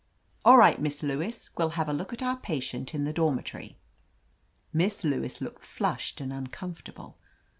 "All right, Miss Lewis, we'll have a look at our patient in the dormitory." Miss Lewis looked flushed and uncomfort able.